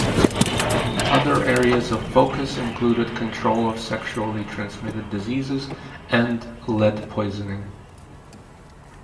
Other areas of focus included control of sexually transmitted diseases and lead poisoning.